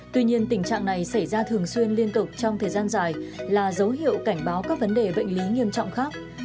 tuy nhiên tình trạng này xảy ra thường xuyên liên tục trong thời gian dài là dấu hiệu cảnh báo các vấn đề bệnh lý nghiêm trọng khác